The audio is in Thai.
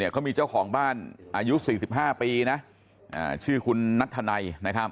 เขามีเจ้าของบ้านอายุ๔๕ปีนะชื่อคุณนัทธนัย